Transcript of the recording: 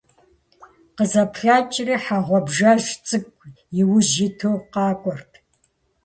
КъызэплъэкӀри - хьэ гъуабжэжь цӀыкӀу иужь иту къакӀуэрт.